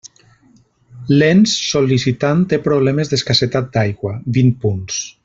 L'ens sol·licitant té problemes d'escassetat d'aigua: vint punts.